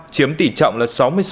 chiếm tỷ trọng là sáu mươi sáu